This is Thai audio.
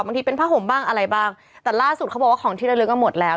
เป็นผ้าห่มบ้างอะไรบ้างแต่ล่าสุดเขาบอกว่าของที่ระลึกก็หมดแล้ว